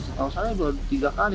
tentunya saja dia ke papua beberapa kali